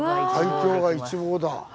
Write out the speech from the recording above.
海峡が一望だ。